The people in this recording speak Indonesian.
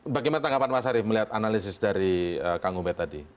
bagaimana tanggapan mas arief melihat analisis dari kang ubed tadi